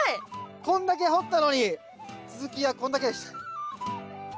こんだけ掘ったのに続きはこんだけでした。